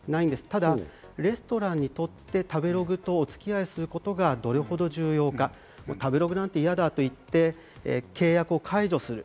ただ、レストランにとって食べログとお付き合いすることがどれほど重要か、食べログなんて嫌だと言って、契約を解除する。